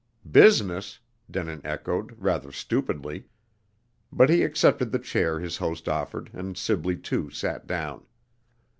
"Business?" Denin echoed, rather stupidly. But he accepted the chair his host offered, and Sibley too sat down.